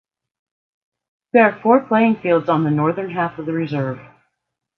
There are four playing fields on the northern half of the reserve.